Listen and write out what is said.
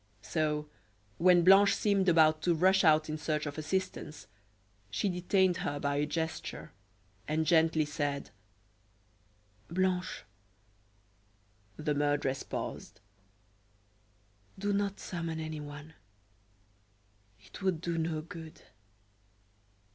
So, when Blanche seemed about to rush out in search of assistance, she detained her by a gesture, and gently said: "Blanche." The murderess paused. "Do not summon anyone; it would do no good.